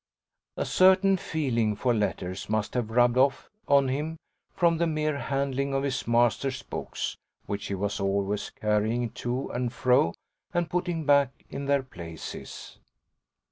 A certain feeling for letters must have rubbed off on him from the mere handling of his master's books, which he was always carrying to and fro and putting back in their places.